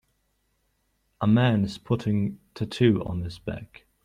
A man is putting tattoo on his back.